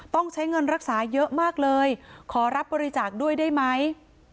ต้องใช้เงินรักษาเยอะมากเลยขอรับบริจาคด้วยได้ไหม